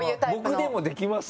「僕でもできます？」